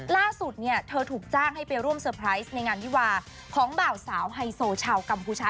ล่าสุดเนี่ยเธอถูกจ้างให้ไปร่วมเซอร์ไพรส์ในงานวิวาของบ่าวสาวไฮโซชาวกัมพูชา